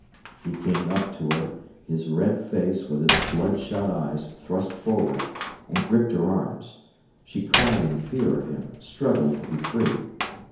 He came up to her, his red face, with its bloodshot eyes, thrust forward, and gripped her arms. She cried in fear of him, struggled to be free.